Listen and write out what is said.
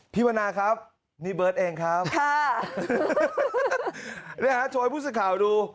วนาครับนี่เบิร์ตเองครับค่ะนี่ฮะโชว์ให้ผู้สื่อข่าวดู